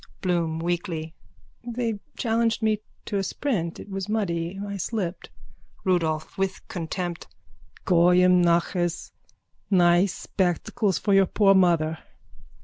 BLOOM: (Weakly.) They challenged me to a sprint. It was muddy. I slipped. RUDOLPH: (With contempt.) Goim nachez! Nice spectacles for your poor mother!